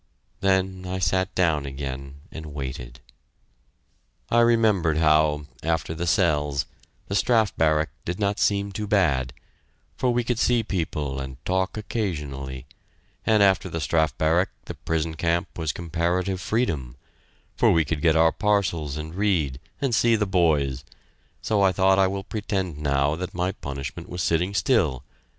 Then I sat down again and waited. I remembered how, after the cells, the Strafe Barrack did not seem too bad, for we could see people and talk occasionally; and after the Strafe Barrack the prison camp was comparative freedom, for we could get our parcels and read, and see the boys, so I thought I will pretend now that my punishment was sitting still....